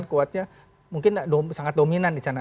kuatnya mungkin sangat dominan di sana